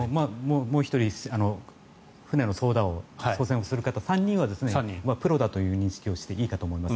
もう１人船の操舵、操船をする方３人はプロだという認識をしていいかと思います。